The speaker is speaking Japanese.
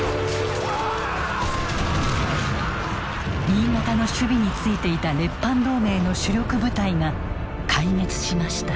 新潟の守備に就いていた列藩同盟の主力部隊が壊滅しました。